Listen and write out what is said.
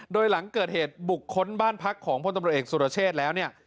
โดยหลังเกิดเหตุบุกค้นบ้านพักของพลตำรวจเอกสุรเชษแล้วเนี่ย